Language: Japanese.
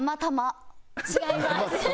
違います。